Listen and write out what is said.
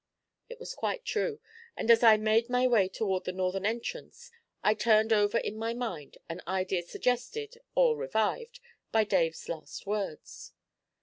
It was quite true; and as I made my way toward the northern entrance, I turned over in my mind an idea suggested, or revived, by Dave's last words.